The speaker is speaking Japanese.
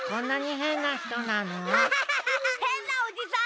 へんなおじさん！